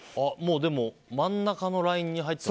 真ん中のラインに入ってる。